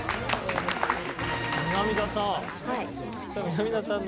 南田さん。